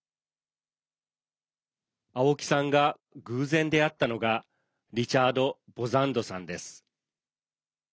青木さんが偶然出会ったのがリチャード・ボザンドさんです。